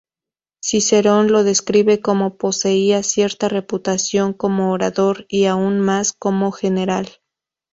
Cicerón lo describe como Poseía cierta reputación como orador, y aún más como general.